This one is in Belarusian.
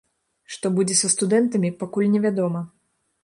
Што будзе са студэнтамі, пакуль не вядома.